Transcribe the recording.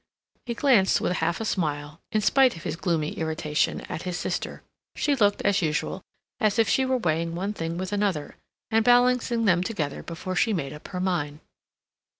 He glanced with half a smile, in spite of his gloomy irritation, at his sister. She looked, as usual, as if she were weighing one thing with another, and balancing them together before she made up her mind.